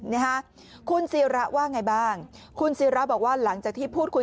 นะฮะคุณศิระว่าไงบ้างคุณศิราบอกว่าหลังจากที่พูดคุย